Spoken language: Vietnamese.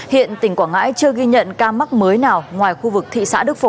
hiện tỉnh quảng ngãi chưa ghi nhận ca mắc mới nào ngoài khu vực thị xã đức phổ